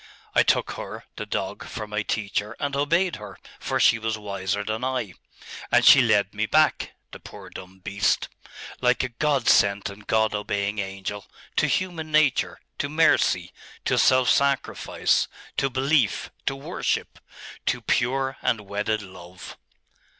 I took her, the dog, for my teacher, and obeyed her, for she was wiser than I. And she led me back the poor dumb beast like a God sent and God obeying angel, to human nature, to mercy, to self sacrifice, to belief, to worship to pure and wedded love.